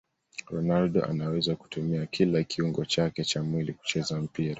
ronaldo anaweza kutumia kila kiungo chake cha mwili kucheza mpira